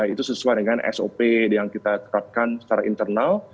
itu sesuai dengan sop yang kita terapkan secara internal